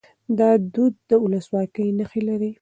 دا دود د ولسواکۍ نښې لري.